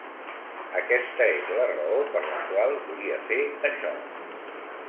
Aquesta és la raó per la qual volia fer això.